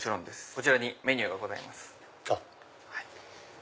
こちらにメニューがございます。